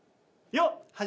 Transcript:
よっ！